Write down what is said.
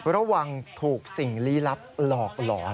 ระวังถูกสิ่งลี้ลับหลอกหลอน